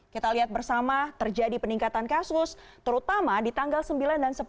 kita lihat bersama terjadi peningkatan kasus terutama di tanggal sembilan dan sepuluh